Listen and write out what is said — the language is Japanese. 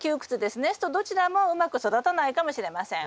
するとどちらもうまく育たないかもしれません。